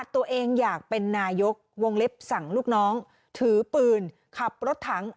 ตัวเองอยากเป็นนายกวงเล็บสั่งลูกน้องถือปืนขับรถถัง